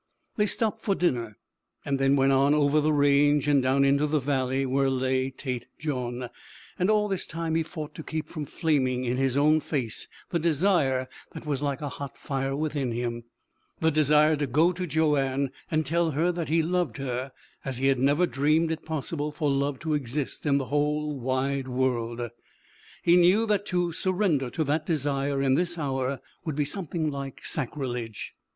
They stopped for dinner, and then went on over the range and down into the valley where lay Tête Jaune. And all this time he fought to keep from flaming in his own face the desire that was like a hot fire within him the desire to go to Joanne and tell her that he loved her as he had never dreamed it possible for love to exist in the whole wide world. He knew that to surrender to that desire in this hour would be something like sacrilege.